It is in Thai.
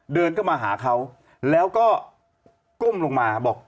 เดินเข้ามาหาเขาแล้วก็ก้มลงมาบอก